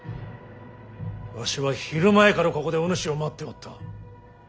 わしは昼前からここでおぬしを待っておった。